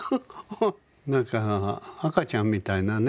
何か赤ちゃんみたいなね